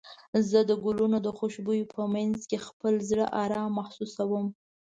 زه د ګلونو د خوشبو په مینځ کې خپل زړه ارام محسوسوم.